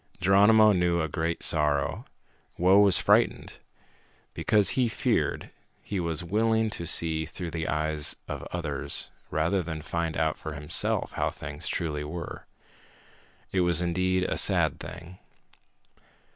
Geronimo knew a great sorrow. Whoa was frightened. Because he feared, he was willing to see through the eyes of others rather than find out for himself how things truly were. It was indeed a sad thing.